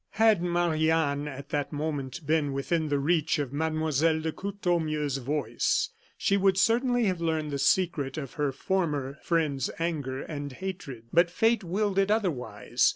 Had Marie Anne, at that moment, been within the reach of Mlle. de Courtornieu's voice, she would certainly have learned the secret of her former friend's anger and hatred. But fate willed it otherwise.